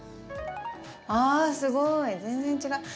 あっすごい全然違う。